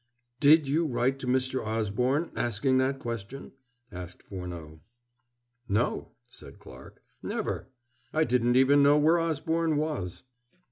"Did you write to Mr. Osborne, asking that question?" asked Furneaux. "No," said Clarke "never. I didn't even know where Osborne was."